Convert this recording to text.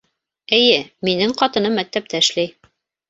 Эйе, минең ҡатыным мәктәптә эшләй